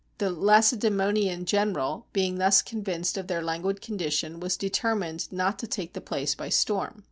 The Lace daemonian general being thus convinced of their languid condition, was determined not to take the place by storm.